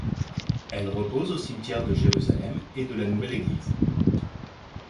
Elle repose au cimetière de Jérusalem et de la nouvelle église.